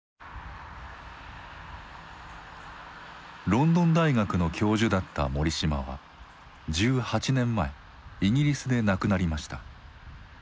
ロンドン大学の教授だった森嶋は１８年前イギリスで亡くなりました。